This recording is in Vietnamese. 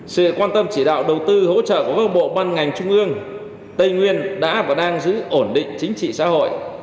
sự quan tâm chỉ đạo đầu tư hỗ trợ của các bộ ban ngành trung ương tây nguyên đã và đang giữ ổn định chính trị xã hội